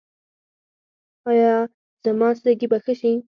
ایا زما سږي به ښه شي؟